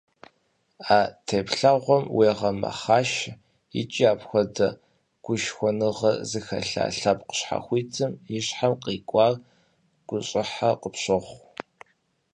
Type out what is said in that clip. А теплъэгъуэм уегъэмэхъашэ икӀи апхуэдэ гушхуэныгъэ зыхэлъа лъэпкъ щхьэхуитым и щхьэм кърикӀуар гущӀыхьэ къыпщохъу.